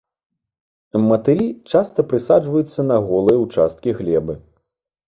Матылі часта прысаджваюцца на голыя ўчасткі глебы.